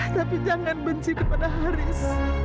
tapi jangan benci kepada haris